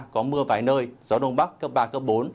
có mưa vài nơi gió đông bắc cấp ba cấp bốn